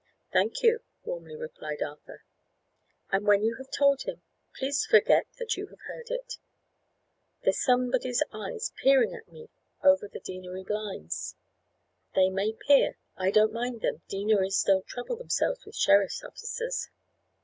"Thank you," warmly replied Arthur. "And when you have told him, please to forget that you have heard it. There's somebody's eyes peering at me over the deanery blinds. They may peer! I don't mind them; deaneries don't trouble themselves with sheriff's officers."